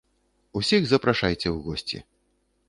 Усіх запрашайце ў госці.